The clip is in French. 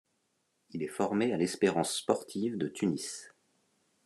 Il est formé à l'Espérance sportive de Tunis.